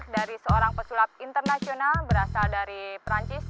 dari seorang pesulap internasional berasal dari perancis